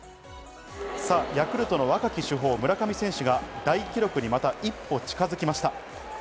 ヤクルトの若き主砲・村上選手が大記録にまた一歩近づきました。